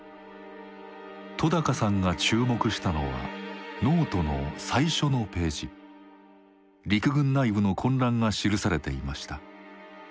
戸さんが注目したのはノートの最初のページ陸軍内部の混乱が記されていました。